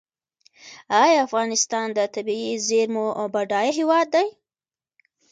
آیا افغانستان د طبیعي زیرمو بډایه هیواد دی؟